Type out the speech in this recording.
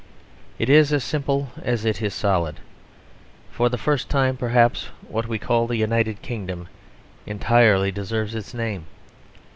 It is as simple as it is solid. For the first time, perhaps, what we call the United Kingdom entirely deserves its name.